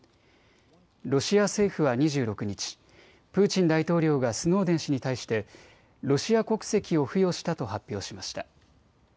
ロシア政府は２６日、プーチン大統領がスノーデン氏に対してロシア国籍を付与したと発表しました。